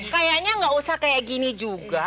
kayaknya nggak usah kayak gini juga